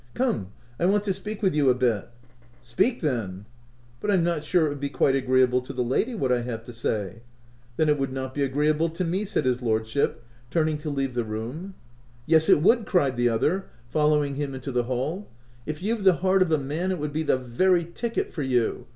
" Come, I want to speak with you a bit." " Speak, then." " But I'm not sure it would be quite agree able to the lady, what I have to say." " Then it would not be agreeable to me," said his lordship, turning to leave the room. OF WILDFELL HALL. 13 " Yes, it would/' cried the other, following him into the hall. " If you've the heart of a man it would be the very ticket for you.